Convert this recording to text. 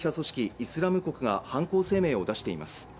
イスラム国が犯行声明を出しています